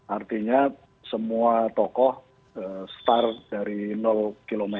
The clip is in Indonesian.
artinya semua tokoh star dari km